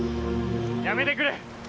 やめてくれ！